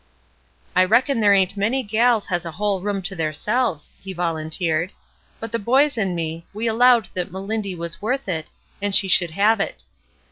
''I reckon there ain't many gals has a whole room to theirselves," he volunteered. '' But the boys and me, we allowed that Melindy was worth it, and she should have it.